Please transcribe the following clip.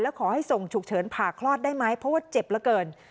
ขอให้ส่งฉุกเฉินผ่าคลอดได้ไหมเพราะว่าเจ็บเหลือเกิน